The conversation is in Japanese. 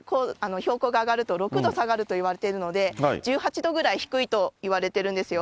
標高が上がると、６度下がるといわれているので、１８度ぐらい低いといわれてるんですよ。